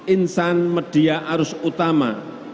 insan media arus utama